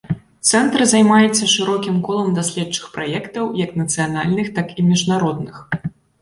Цэнтр займаецца шырокім колам даследчых праектаў, як нацыянальных, так і міжнародных.